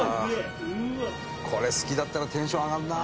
「これ好きだったらテンション上がるな」